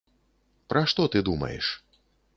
Пра што ты думаеш?